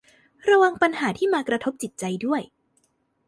ระวังปัญหาที่มากระทบจิตใจด้วย